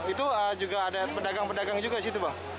itu juga ada pedagang pedagang juga disitu bang